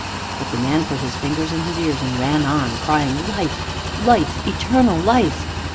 But the man put his fingers in his ears, and ran on, crying, "Life, life, eternal life!"